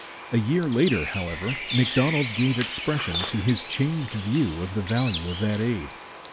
A year later, however, Macdonald gave expression to his changed view of the value of that aid.